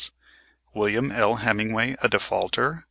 William L. Hemmingway a defaulter!